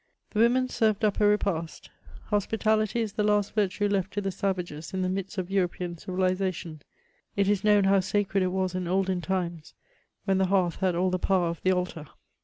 The women served up a repast. Hospitality is the last virtue left to the savages in the midst of European civilisation ; it is known how sacred it was in olden times^ when the hearth had all the power of the altar.